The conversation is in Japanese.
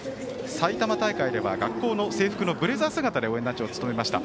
埼玉大会では学校の制服のブレザー姿で応援団長を務めました。